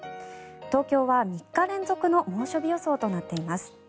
東京は３日連続の猛暑日予想となっています。